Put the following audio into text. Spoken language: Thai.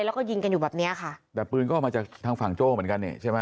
แล้วก็ยิงกันอยู่แบบเนี้ยค่ะแต่ปืนก็ออกมาจากทางฝั่งโจ้เหมือนกันเนี่ยใช่ไหม